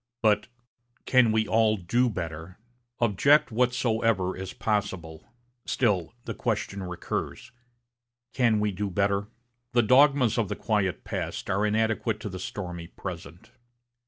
but, 'Can we all do better?' Object whatsoever is possible, still the question recurs, 'Can we do better?' The dogmas of the quiet past are inadequate to the stormy present.